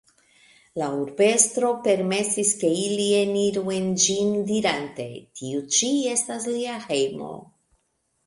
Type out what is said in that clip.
La urbestro permesis ke ili eniru en ĝin dirante "Tiu ĉi estas lia hejmo.